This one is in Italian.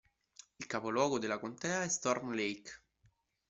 Il capoluogo della contea è Storm Lake.